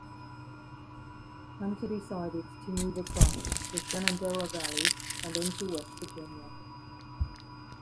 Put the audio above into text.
Hunter decided to move across the Shenandoah Valley and into West Virginia.